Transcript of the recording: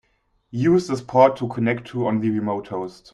Use this port to connect to on the remote host.